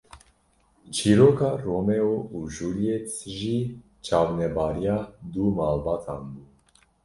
Çîroka Romeo û Juliet jî çavnebariya du malbatan bû